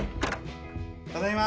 ただいま。